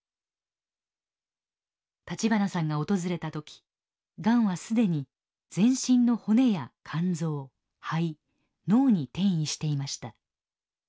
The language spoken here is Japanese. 立花さんが訪れた時がんは既に全身の骨や肝臓肺脳に転移していました。